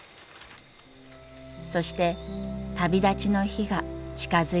そして旅立ちの日が近づいてきました。